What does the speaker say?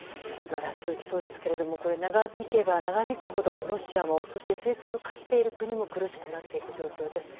また続きそうですが長引けば長引くほど、ロシアもそして制裁を科している国も苦しくなっていく状況です。